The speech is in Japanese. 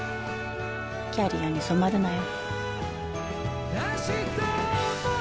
キャリアに染まるなよ。